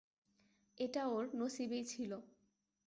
এটা ওর নসিবেই ছিল।